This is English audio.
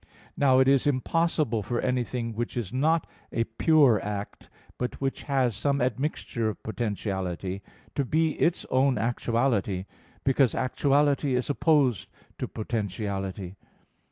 Now it is impossible for anything which is not a pure act, but which has some admixture of potentiality, to be its own actuality: because actuality is opposed to potentiality.